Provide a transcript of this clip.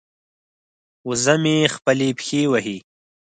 وزه مې خپلې پښې وهي.